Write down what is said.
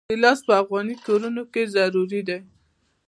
ګیلاس په افغاني کورونو کې ضروري دی.